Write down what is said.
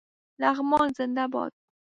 لغمان زنده باد